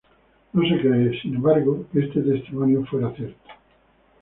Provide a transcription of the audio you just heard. No se cree, sin embargo, que este testimonio sea cierto.